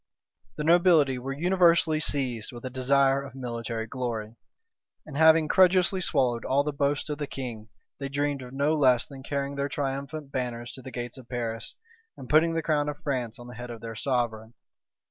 {1492.} The nobility were universally seized with a desire of military glory; and having credulously swallowed all the boasts of the king, they dreamed of no less than carrying their triumphant banners to the gates of Paris, and putting the crown of France on the head of their sovereign.